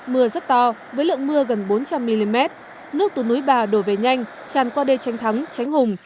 mưa rất to với lượng mưa gần bốn trăm linh mm nước từ núi bà đổ về nhanh tràn qua đê tránh thắng tránh hùng